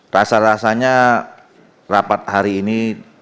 rasa rasanya rapat hari ini